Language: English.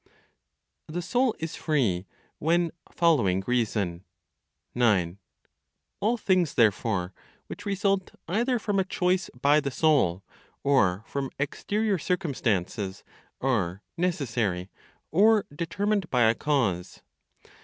THE SOUL IS FREE WHEN FOLLOWING REASON. 9. All things therefore, which result either from a choice by the soul, or from exterior circumstances, are "necessary," or determined by a cause.